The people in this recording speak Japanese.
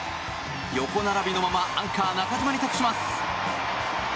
横並びのままアンカー、中島に託します。